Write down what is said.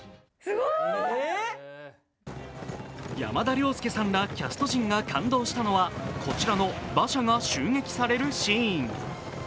山田涼介さんらキャスト陣が感動したのはこちらの馬車が襲撃されるシーン。